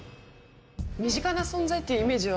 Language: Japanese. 身近な存在っていうイメージは。